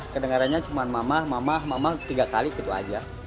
kedengarannya cuma mamah mamah mamah tiga kali gitu saja